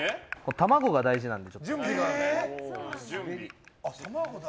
卵が大事なので。